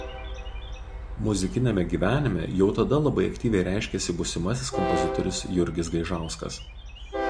Muzikiniame gyvenime jau tada labai aktyviai reiškėsi būsimasis kompozitorius Jurgis Gaižauskas.